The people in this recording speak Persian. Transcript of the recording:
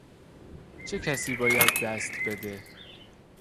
چه کسی باید دست بده؟